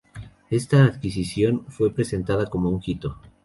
Esta adquisición fue presentada como un hito.